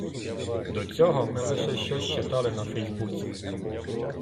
До цього ми лише щось читали на фейсбуці.